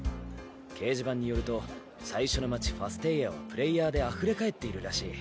掲示板によると最初の街ファステイアはプレイヤーであふれ返っているらしい。